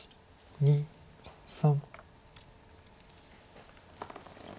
２３。